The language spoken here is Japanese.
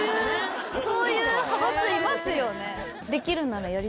そういう派閥いますよねえ！